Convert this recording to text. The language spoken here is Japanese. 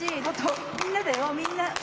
本当みんなだよみんな。